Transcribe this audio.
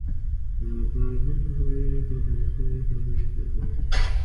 Other bars produced included Wonka Xploder, Wonkalate and Wonka Biscuits.